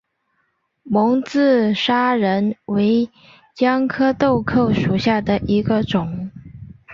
蒙自砂仁为姜科豆蔻属下的一个种。